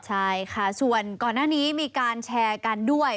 ใช่ค่ะส่วนก่อนหน้านี้มีการแชร์กันด้วย